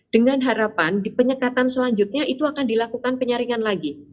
dengan harapan di penyekatan selanjutnya itu akan dilakukan penyaringan lagi